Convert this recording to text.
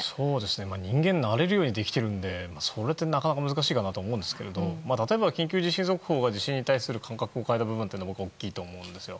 人間慣れるようにできているのでそれってなかなか難しいかなと思うんですが例えば緊急地震速報は地震に対する感覚を変えるのに僕、大きいと思うんですよ。